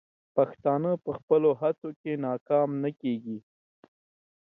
پښتانه په خپلو هڅو کې ناکام نه کیږي.